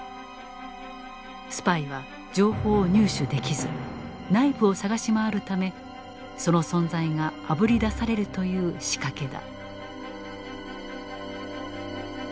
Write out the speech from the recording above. スパイは情報を入手できず内部を探し回るためその存在があぶり出されるという仕掛けだ。